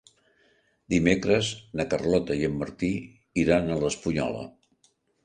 Dimecres na Carlota i en Martí iran a l'Espunyola.